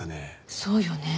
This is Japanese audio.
そうよね。